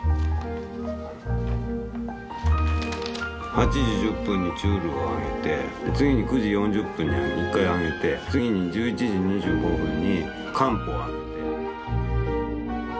８時１０分にチュールをあげて次に９時４０分に１回あげて次に１１時２５分に漢方あげて。